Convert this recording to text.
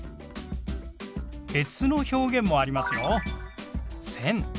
別の表現もありますよ。